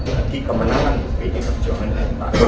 bagi kemenangan bd perjuangan dan pak banjar